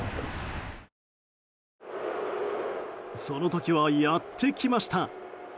その時はやってきました。